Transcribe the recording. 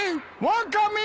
・ワカメ！